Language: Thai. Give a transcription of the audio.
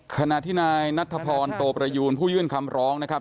ขณะที่นายนัทพรโตประยูนผู้ยื่นคำร้องนะครับ